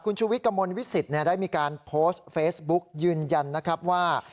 ชูวิทย์กระมวลวิสิตได้มีการโพสต์เฟซบุ๊กยืนยันนะครับว่า